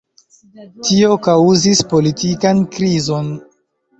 Tio kaŭzis politikan krizon.